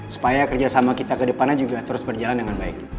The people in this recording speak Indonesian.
supaya kerjasama kita ke depannya juga terus berjalan dengan baik